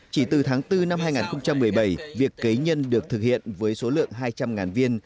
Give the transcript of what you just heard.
chỉ từ tháng bốn năm hai nghìn một mươi bảy việc kế nhân được thực hiện với số lượng hai trăm linh viên